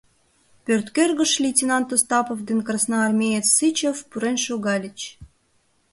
Пӧрт кӧргыш лейтенант Остапов ден красноармеец Сычев пурен шогальыч.